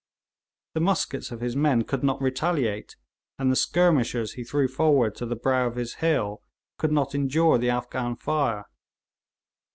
The muskets of his men could not retaliate, and the skirmishers he threw forward to the brow of his hill could not endure the Afghan fire.